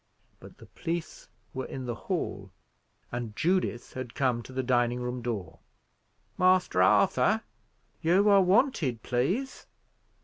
But the police were in the hall, and Judith had come to the dining room door. "Master Arthur, you are wanted, please."